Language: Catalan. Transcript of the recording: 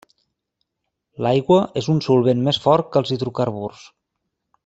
L'aigua és un solvent més fort que els hidrocarburs.